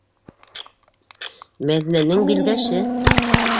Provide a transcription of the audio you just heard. Мәҙинәнең Билдәше!